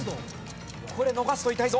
これ逃すと痛いぞ。